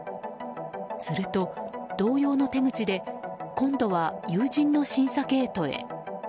すると、同様の手口で今度は友人の審査ゲートへ。